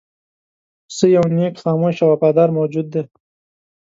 پسه یو نېک، خاموش او وفادار موجود دی.